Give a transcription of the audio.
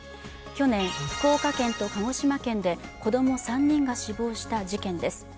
去年、福岡県と鹿児島県で子供３人が死亡した事件です。